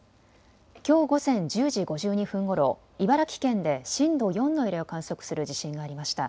きょう午前１０時５２分ごろ茨城県で震度４の揺れを観測する地震がありました。